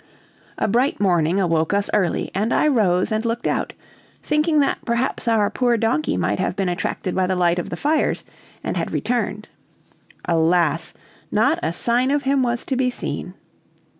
A bright morning awoke us early, and I rose and looked out, thinking that perhaps our poor donkey might have been attracted by the light of the fires, and had returned. Alas! not a sign of him was to be seen.